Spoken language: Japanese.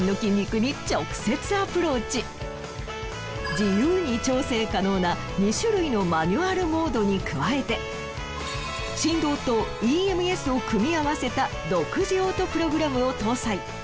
自由に調整可能な２種類のマニュアルモードに加えて振動とＥＭＳを組み合わせた独自オートプログラムを搭載。